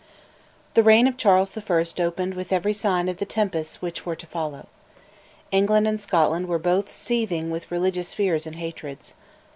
The reign of Charles I. opened with every sign of the tempests which were to follow. England and Scotland were both seething with religious fears and hatreds.